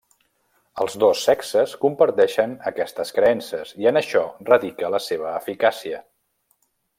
Els dos sexes comparteixen aquestes creences, i en això radica la seva eficàcia.